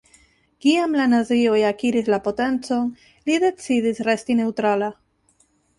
Kiam la nazioj akiris la potencon, li decidis resti neŭtrala.